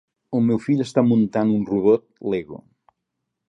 El meu fill està muntant un robot Lego.